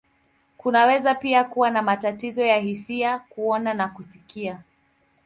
Kunaweza pia kuwa na matatizo ya hisia, kuona, na kusikia.